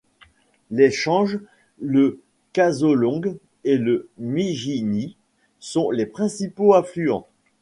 Les Chenghe, le Kazolong et le Meghini sont ses principaux affluents.